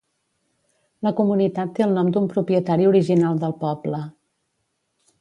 La comunitat té el nom d'un propietari original del poble.